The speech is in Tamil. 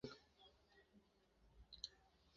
அதற்குக் குரு, நான் அதை அடிக்கவில்லையே...... அது வந்தது.